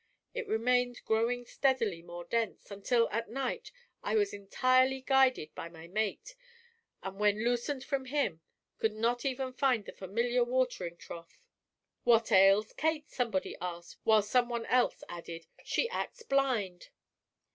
It remained growing steadily more dense, until at night I was entirely guided by my mate, and when loosened from him could not even find the familiar watering trough. "'What ails Kate?' somebody asked, while some one else added, 'She acts blind.'